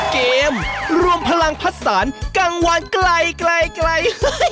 เกมรวมพลังพัดสารกลางวันไกลไกล